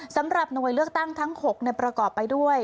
สำหรับหน่วยเลือกตั้งทั้ง๖ประกอบไปด้วย